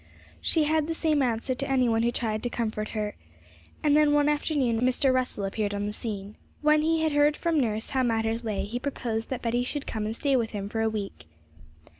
She had the same answer to any one who tried to comfort her. And then one afternoon Mr. Russell appeared on the scene. When he heard from nurse how matters lay, he proposed that Betty should come and stay with him for a week.